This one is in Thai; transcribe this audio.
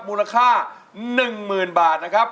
มูลค่า๑๐๐๐บาทนะครับ